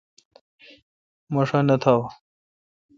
مہ ݭا نہ تھاوا۔